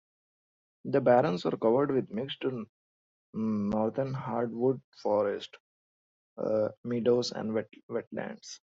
The barrens are covered with mixed northern hardwood forests, meadows, and wetlands.